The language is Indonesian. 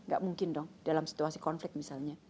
gak mungkin dong dalam situasi konflik misalnya